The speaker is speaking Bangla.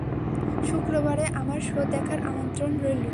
শুক্রবারে আমার শো দেখার আমন্ত্রণ রইল।